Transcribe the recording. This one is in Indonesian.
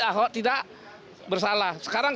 ahok tidak bersalah sekarang